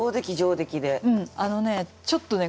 あのねちょっとね